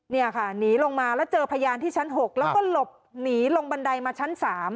นี่ค่ะหนีลงมาแล้วเจอพยานที่ชั้น๖แล้วก็หลบหนีลงบันไดมาชั้น๓